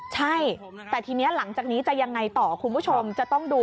ใช่แต่ทีนี้หลังจากนี้จะยังไงต่อคุณผู้ชมจะต้องดู